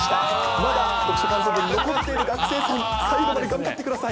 まだ読書感想文、残っている学生さん、最後まで頑張ってください。